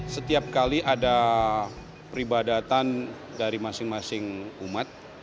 setiap kali ada peribadatan dari masing masing umat